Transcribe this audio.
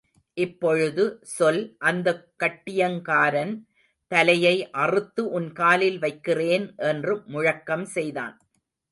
இப்பொழுது சொல் அந்தக் கட்டியங்காரன் தலையை அறுத்து உன் காலில் வைக்கிறேன் என்று முழக்கம் செய்தான்.